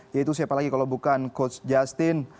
yaitu siapa lagi kalau bukan coach justin